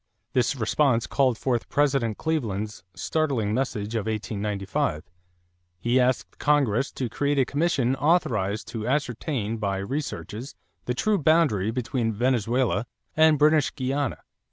This response called forth President Cleveland's startling message of 1895. He asked Congress to create a commission authorized to ascertain by researches the true boundary between Venezuela and British Guiana.